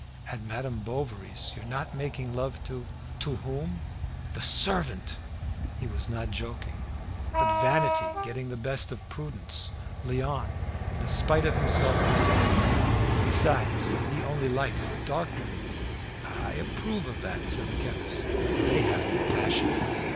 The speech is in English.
"At Madame Bovary's, you're not making love to " "To whom?" "The servant!" He was not joking; but vanity getting the better of all prudence, Léon, in spite of himself protested. Besides, he only liked dark women. "I approve of that," said the chemist; "they have more passion."